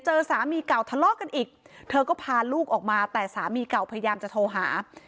สามีเก่าทะเลาะกันอีกเธอก็พาลูกออกมาแต่สามีเก่าพยายามจะโทรหา